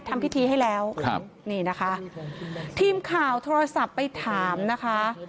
ทำพิธีให้แล้วครับนี่นะคะทีมข่าวโทรศัพท์ไปถามนะคะ